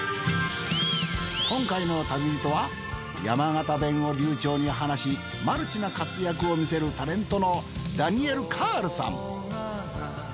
今回の旅人は山形弁を流ちょうに話しマルチな活躍を見せるタレントのダニエル・カールさん。